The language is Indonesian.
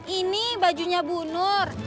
ini bajunya bu nur